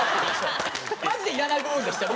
マジでいらない部分でしたよ。